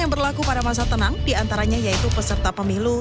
yang berlaku pada masa tenang diantaranya yaitu peserta pemilu